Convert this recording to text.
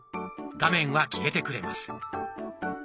画面は消えてくれます。